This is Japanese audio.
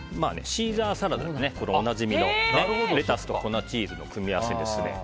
シーザーサラダでおなじみのレタスと粉チーズの組み合わせですね。